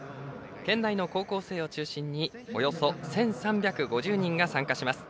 県内の高校生を中心におよそ１３５０人が参加します。